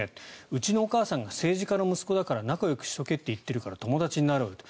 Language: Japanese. うちのお母さんが政治家の息子だから仲よくしとけって言ってるから友達になろうよと。